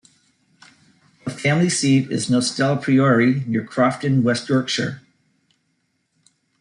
The family seat is Nostell Priory, near Crofton, West Yorkshire.